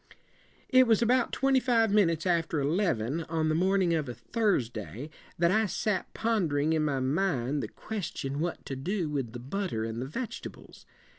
"'It was about twenty five minutes after eleven, on the morning of a Thursday, that I sat pondering in my mind the ques ti on what to do with the butter and the veg et ables.